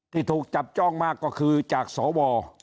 ที่ถูกจับจ้องมากก็คือจากสว